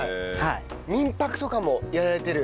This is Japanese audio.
民泊とかもやられてる？